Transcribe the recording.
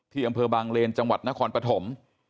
อำเภอบางเลนจังหวัดนครปฐม